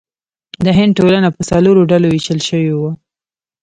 د هند ټولنه په څلورو ډلو ویشل شوې وه.